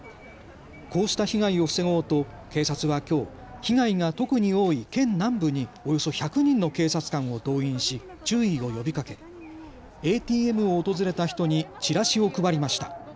こうした被害を防ごうと警察はきょう被害が特に多い県南部におよそ１００人の警察官を動員し注意を呼びかけＡＴＭを訪れた人にチラシを配りました。